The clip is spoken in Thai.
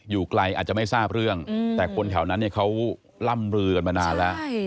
อยู่ไกลอาจจะไม่ทราบเรื่องแต่คนแถวนั้นเนี่ยเขาร่ำลือกันมานานแล้ว